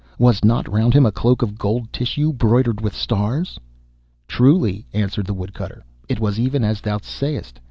Was not round him a cloak of gold tissue broidered with stars?' 'Truly,' answered the Woodcutter, 'it was even as thou sayest.